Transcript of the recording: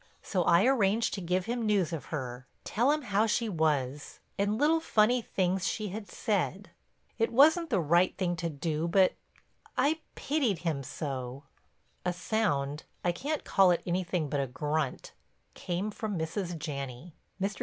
So I arranged to give him news of her, tell him how she was, and little funny things she had said. It wasn't the right thing to do but I—I—pitied him so." A sound—I can't call it anything but a grunt—came from Mrs. Janney. Mr.